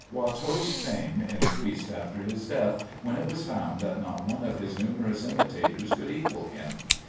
Watteau's fame increased after his death, when it was found that not one of his numerous imitators could equal him.